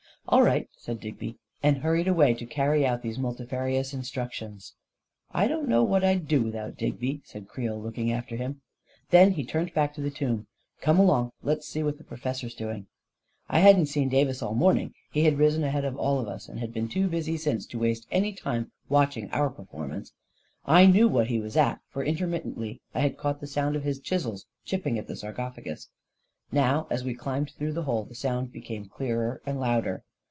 "All right," said Digby, and hurried away to carry out these multifarious instructions. " I don't know what I'd do without Digby," said Creel, looking after him. Then he turned back to the tomb. " Come along; let's see what the pro fessor's doing." I hadn't seen Davis all morning — he had risen ahead of all of us, and had been too busy since to waste any time watching our performance. I knew 244 A KING IN BABYLON what he was at, for intermittently I had caught the sound of his chisels chipping at the sarcophagus. Now, as we climbed through the hole, the sound came clearer and louder.